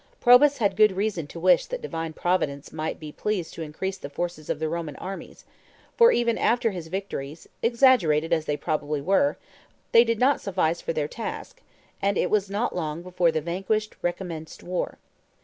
Probus had good reason to wish that "Divine Providence might be pleased to increase the forces of the Roman armies," for even after his victories, exaggerated as they probably were, they did not suffice for their task, and it was not long before the vanquished recommenced war.